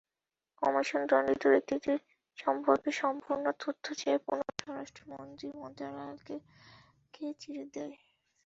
Commission দণ্ডিত ব্যক্তিদের সম্পর্কে সম্পূর্ণ তথ্য চেয়ে পুনরায় স্বরাষ্ট্র মন্ত্রণালয়কে চিঠি দেয়।